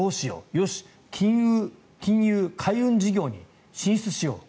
よし、金融・海運事業に進出しよう。